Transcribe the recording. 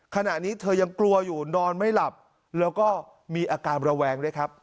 ขณะนี้เธอยังกลัวอยู่นอนไม่หลับแล้วก็มีอาการระแวงด้วยครับ